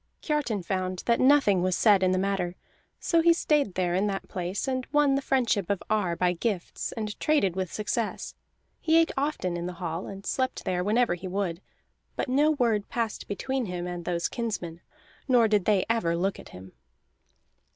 Kiartan found that nothing was said in the matter; so he stayed there in the place, and won the friendship of Ar by gifts, and traded with success. He ate often at the hall, and slept there whenever he would; but no word passed between him and those kinsmen, nor did they ever look at him.